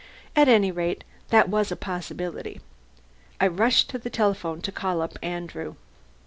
At any rate, that was a possibility. I rushed to the telephone to call up Andrew.